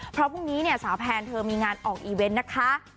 เพราะพรุ่งนี้เนี่ยสาวแพนเธอมีงานออกอีเวนต์นะคะ